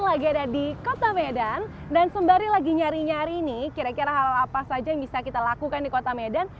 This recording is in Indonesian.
lagi ada di kota medan dan sembari lagi nyari nyari nih kira kira hal apa saja yang bisa kita lakukan di kota medan